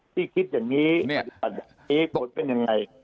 คิดอย่างนี้มีผลเป็นยังไง